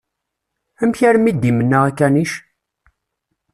Amek armi i d-imenna akanic?